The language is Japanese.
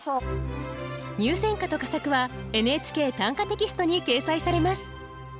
入選歌と佳作は「ＮＨＫ短歌」テキストに掲載されます。